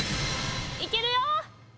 いけるよ！